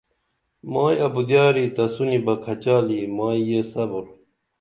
مائی ابُدیاری تسونی بہ کھچالی مائی یہ صبُر